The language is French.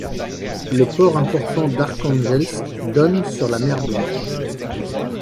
Le port important d'Arkhangelsk donne sur la mer Blanche.